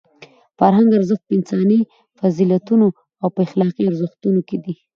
د فرهنګ ارزښت په انساني فضیلتونو او په اخلاقي ارزښتونو کې دی.